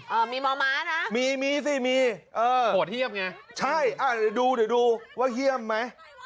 เออมีมมนะมีมีสิเหี้ยมไงใช่เอาเดี๋ยวดูว่าเหี้ยมไหม